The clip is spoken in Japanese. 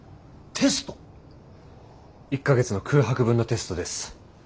１か月の空白分のテストです。